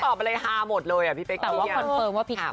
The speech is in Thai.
ตอบอะไรฮาหมดเลยอ่ะพี่เป๊กกี้แต่ว่าว่าคอนเฟิร์มว่า